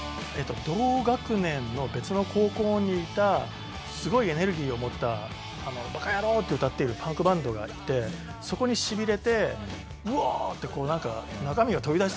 同学年の別の高校にいたすごいエネルギーを持った「バカヤロー！」って歌っているパンクバンドがいてそこにシビれてウワーッ！ってこうなんか。